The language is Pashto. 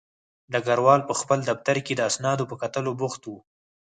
ډګروال په خپل دفتر کې د اسنادو په کتلو بوخت و